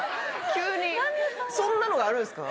急にそんなのがあるんですか？